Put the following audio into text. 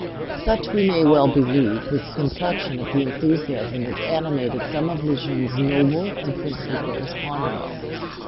Such, we may well believe, was the complexion of the enthusiasm which animated some of Le Jeune's noble and princely correspondents.